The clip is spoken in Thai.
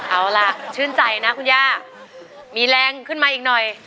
เอาล่ะชื่นใจนะคุณย่ามีแรงขึ้นมาอีกหน่อย